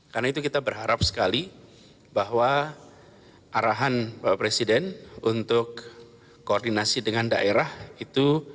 karena itu kita berharap sekali bahwa arahan bapak presiden untuk koordinasi dengan daerah itu